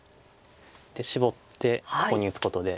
でシボってここに打つことで。